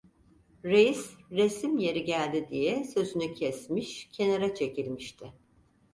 Reis resim yeri geldi diye sözünü kesmiş, kenara çekilmişti.